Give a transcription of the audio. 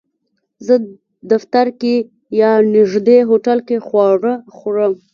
زه دفتر کې یا نږدې هوټل کې خواړه خورم